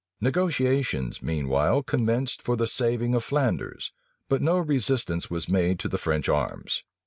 Negotiations meanwhile commenced for the saving of Flanders; but no resistance was made to the French arms.